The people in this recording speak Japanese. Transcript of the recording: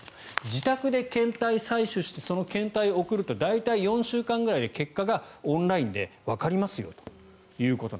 自宅で検体採取してその検体を送ると大体４週間ぐらいで結果がオンラインでわかりますよと。